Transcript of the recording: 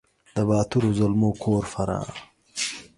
د باتور زلمو کور فراه